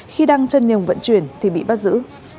khi đang chân nhường vận chuyển thì bị bắt giữ